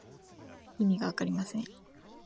意味がわかりません。